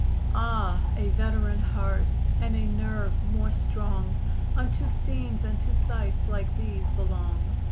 Ah! a veteran heart, and a nerve more strong, Unto scenes and to sights like these belong.